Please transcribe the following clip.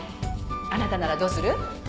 あなたならどうする？」